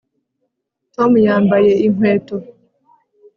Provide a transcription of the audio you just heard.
tom yambaye inkweto